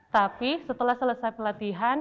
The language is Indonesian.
tapi setelah selesai pelatihan